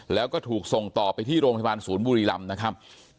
แล้วก็ถูกส่งต่อไปที่โรงพยาบาลศูนย์บุรีรำนะครับ